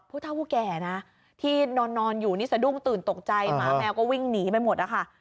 ผู้เท่าผู้แก่นะที่นอนอยู่นี่สะดุ้งตื่นตกใจหมาแมวก็วิ่งหนีไปหมดนะคะ